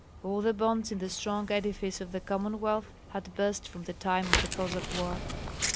All the bonds in the strong edifice of the Commonwealth had burst from the time of the Cossack war.